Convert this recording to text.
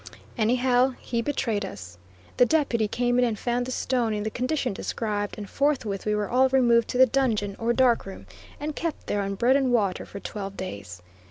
Any how, he betrayed us. The Deputy came in and found the stone in the condition described, and forthwith we were all removed to the dungeon, or dark room, and kept there on bread and water for twelve days.